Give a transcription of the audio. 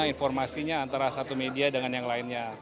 informasinya antara satu media dengan yang lainnya